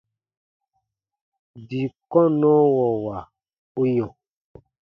Dii kɔnnɔwɔwa u yɔ̃.